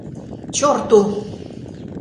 Чорту!